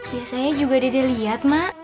biasanya juga dede lihat mak